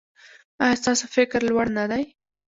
ایا ستاسو فکر لوړ نه دی؟